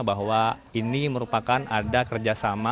bahwa ini merupakan ada kerjasama